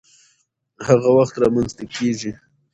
هغه وخت رامنځته کيږي،